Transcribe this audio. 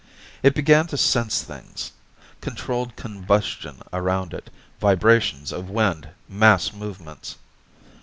It began to sense things controlled combustion around it, vibrations of wind, mass movements.